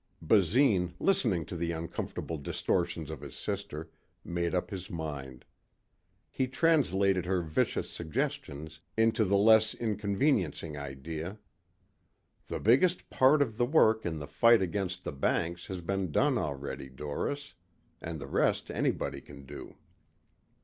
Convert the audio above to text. Basine, listening to the uncomfortable distortions of his sister, made up his mind. He translated her vicious suggestions into the less inconveniencing idea.... "The biggest part of the work in the fight against the banks has been done already, Doris. And the rest anybody can do."